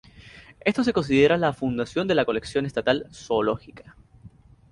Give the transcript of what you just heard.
Esto se considera la fundación de la Colección Estatal Zoológica.